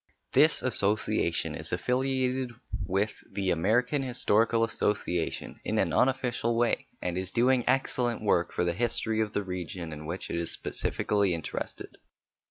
This association is affiliated with the American Historical Association in an unofficial way, and is doing excellent work for the history of the region in which it is specially interested.